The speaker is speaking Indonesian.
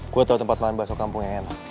gue tau tempat makan baso kampung yang enak